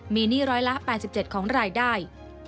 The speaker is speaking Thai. มีหนี้ร้อยละ๘๗ของรายได้